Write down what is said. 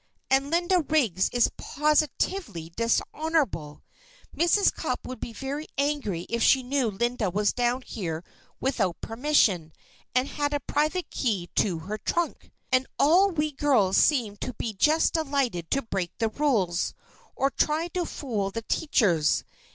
And Linda Riggs is positively dishonorable. Mrs. Cupp would be very angry if she knew Linda was down here without permission and had a private key to her trunk. "And all we girls seem to be just delighted to break the rules, or try to fool the teachers.